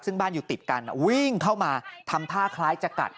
ซึ่งบ้านอยู่ติดกันวิ่งเข้ามาทำท่าคล้ายจะกัด